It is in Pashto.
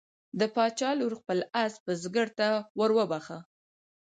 د باچا لور خپل آس بزګر ته وروبخښه.